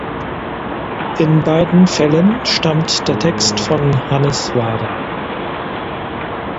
In beiden Fällen stammt der Text von Hannes Wader.